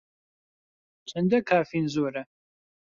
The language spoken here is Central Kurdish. چەندە کافین زۆرە؟